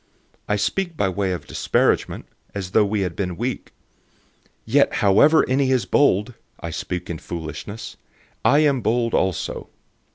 011:021 I speak by way of disparagement, as though we had been weak. Yet however any is bold (I speak in foolishness), I am bold also.